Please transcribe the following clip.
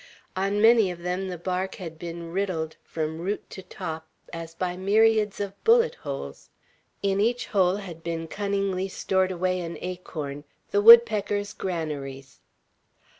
On many of them the bark had been riddled from root to top, as by myriads of bullet holes. In each hole had been cunningly stored away an acorn, the woodpeckers' granaries.